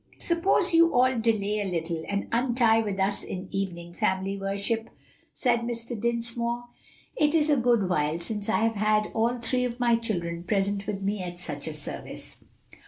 "Suppose you all delay a little and unite with us in evening family worship," said Mr. Dinsmore. "It is a good while since I have had all three of my children present with me at such a service."